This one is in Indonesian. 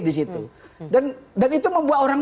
di situ dan itu membuat orang